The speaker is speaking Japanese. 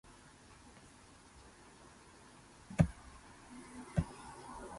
なんですぐなくなるねん